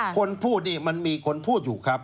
คนพูดนี่มันมีคนพูดอยู่ครับ